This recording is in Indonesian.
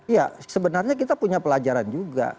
ya sebenarnya kita punya pelajaran juga